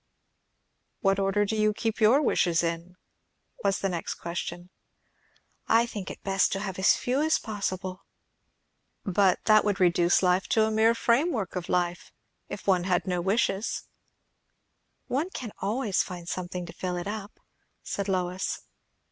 "What order do you keep your wishes in?" was the next question. "I think it best to have as few as possible." "But that would reduce life to a mere framework of life, if one had no wishes!" "One can find something else to fill it up," said Lois.